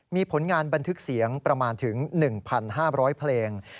มีผลงานบันทึกเสียงประมาณถึง๑๕๐๐เพลง